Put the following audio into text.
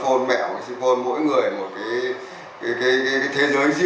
cho nên là mọi người cần chủ động